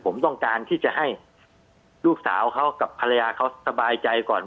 ผมต้องการที่จะให้ลูกสาวเขากับภรรยาเขาสบายใจก่อน